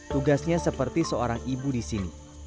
tugasnya seperti seorang ibu di sini